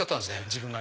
自分が。